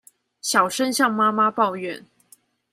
小聲向媽媽抱怨